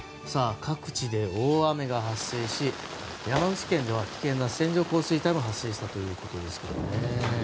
各地で大雨が発生し山口県では危険な線状降水帯も発生したということですね。